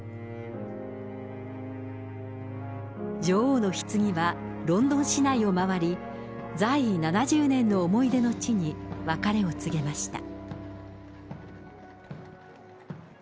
女王のひつぎはロンドン市内を回り、在位７０年の思い出の地に別れを告げました。